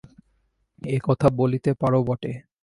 এ কথা বলিতে পারো বটে।